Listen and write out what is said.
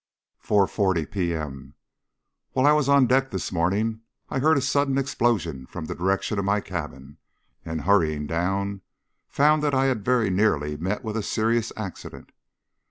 4.40 P.M. While I was on deck this morning I heard a sudden explosion from the direction of my cabin, and, hurrying down, found that I had very nearly met with a serious accident.